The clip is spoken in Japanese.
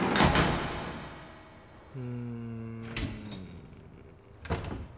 うん。